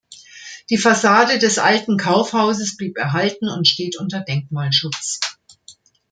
Die Fassade des alten Kaufhauses blieb erhalten und steht unter Denkmalschutz.